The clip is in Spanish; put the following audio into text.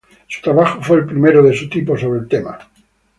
Su trabajo fue el primero de su tipo sobre el tema.